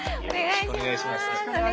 よろしくお願いします。